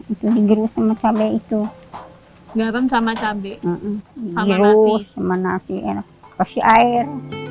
itu digerus sama cabe itu garam sama cabe sama nasi nasi air maksimal air